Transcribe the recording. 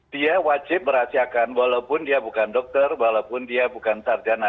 dia wajib merahasiakan walaupun dia bukan dokter walaupun dia bukan sarjana